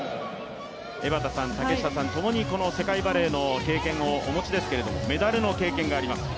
江畑さん、竹下さんともに世界バレーの経験をお持ちですけどもメダル経験があります。